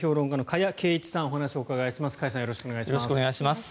加谷さんよろしくお願いします。